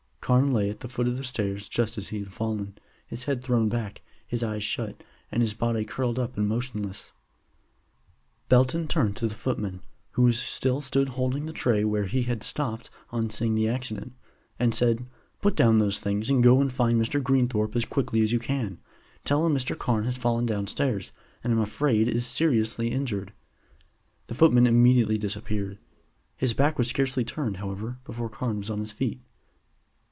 Carne lay at the foot of the stairs just as he had fallen, his head thrown back, his eyes shut, and his body curled up and motionless. Belton turned to the footman, who still stood holding the tray where he had stopped on seeing the accident, and said: "Put down those things and go and find Mr. Greenthorpe as quickly as you can. Tell him Mr. Carne has fallen downstairs, and I'm afraid is seriously injured." The footman immediately disappeared. His back was scarcely turned, however, before Carne was on his feet.